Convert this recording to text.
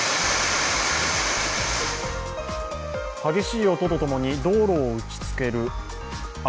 激しい音とともに道路を打ち付ける雨。